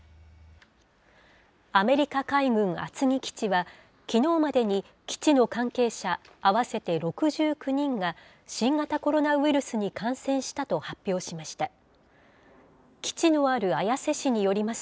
アメリカ海軍厚木基地は、きのうまでに基地の関係者合わせて６９人が、新型コロナウイルスに感染したと発表しました。